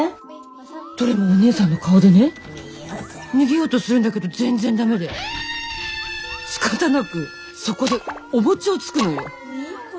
どれもお姉さんの顔でね逃げようとするんだけど全然ダメでしかたなくそこでお餅をつくのよ。